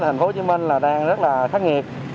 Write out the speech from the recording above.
thành phố hồ chí minh là đang rất là khắc nghiệt